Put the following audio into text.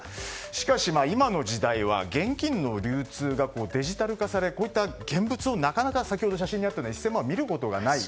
しかし、今の時代は現金の流通がデジタル化されこういった現物を、なかなかさっきの映像のような１０００万円を見ることがない。